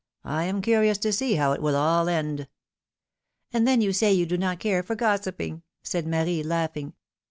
I am curious to see how it all will end!^^ "And then you say, you do not care for gossiping ! said Marie, laughing.